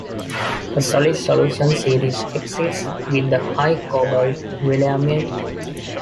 A solid solution series exists with the high cobalt willyamite.